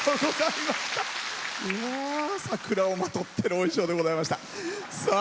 桜をまとってのお衣装でございました。